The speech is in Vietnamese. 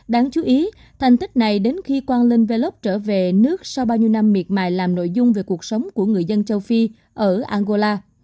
đáng chú ý thành tích này đến khi hoàng linh về lốc trở về nước sau bao nhiêu năm miệt mại làm nội dung về cuộc sống của người dân châu phi ở angola